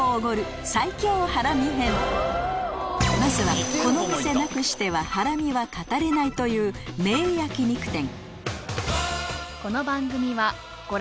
まずはこの店なくしてはハラミは語れないという名焼き肉店